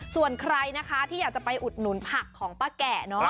ส่วนใครที่อยากจะไปอุดหนุนผักของป้าแกะ